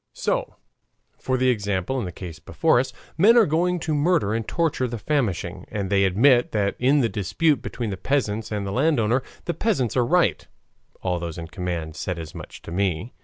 So, for example, in the case before us, men are going to murder and torture the famishing, and they admit that in the dispute between the peasants and the landowner the peasants are right (all those in command said as much to me).